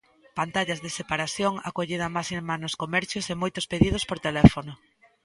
Pantallas de separación, acollida máxima nos comercios e moitos pedidos por teléfono.